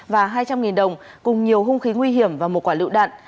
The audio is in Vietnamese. và hai trăm linh đồng cùng nhiều hung khí nguy hiểm và một quả lựu đạn